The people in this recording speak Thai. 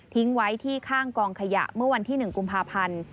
ไว้ที่ข้างกองขยะเมื่อวันที่๑กุมภาพันธ์